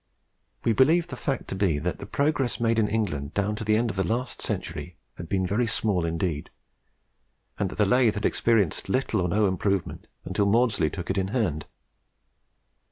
We believe the fact to be, that the progress made in England down to the end of last century had been very small indeed, and that the lathe had experienced little or no improvement until Maudslay took it in hand.